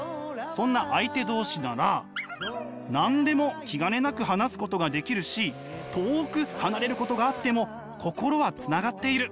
そんな相手同士なら何でも気兼ねなく話すことができるし遠く離れることがあっても心はつながっている。